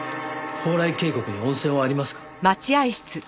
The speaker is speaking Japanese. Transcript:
蓬莱渓谷に温泉はありますか？